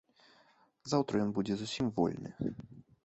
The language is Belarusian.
Заўтра ён будзе зусім вольны.